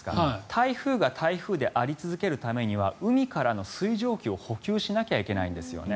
台風が台風であり続けるためには海からの水蒸気を補給しなきゃいけないんですよね。